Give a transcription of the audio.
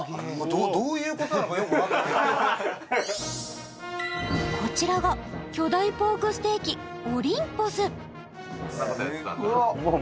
どういうことなのかよくわからないこちらが巨大ポークステーキうわあ！